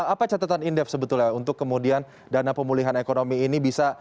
apa catatan indef sebetulnya untuk kemudian dana pemulihan ekonomi ini bisa